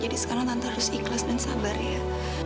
jadi sekarang tante harus ikhlas dan sabar ya